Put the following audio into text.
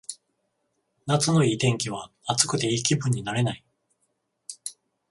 夏のいい天気は暑くていい気分になれない